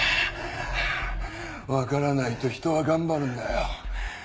分からないと人は頑張るんだよ。